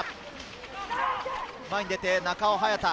前に出て、中尾隼太。